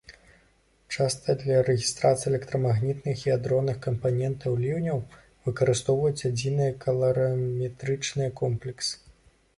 Часта для рэгістрацыі электрамагнітных і адронных кампанентаў ліўняў выкарыстоўваюць адзіныя каларыметрычныя комплексы.